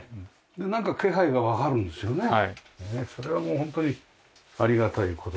それはもうホントにありがたい事ですよね。